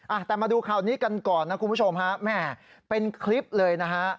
อ่ะแต่มาดูข่าวนี้กันก่อนนะคุณผู้ชมฮะแม่เป็นคลิปเลยนะฮะ